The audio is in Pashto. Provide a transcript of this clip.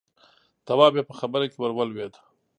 تواب يې په خبره کې ور ولوېد: